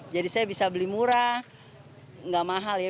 saya bisa beli murah nggak mahal ya